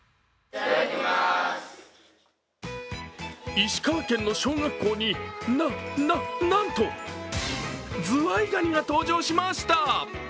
石川県の小学校に、な、なんとズワイガニが登場しました。